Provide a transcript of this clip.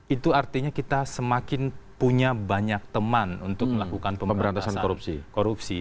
itu artinya kita semakin punya banyak teman untuk melakukan pemberantasan korupsi